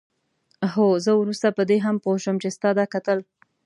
هو زه وروسته په دې هم پوه شوم چې ستا دا کتل.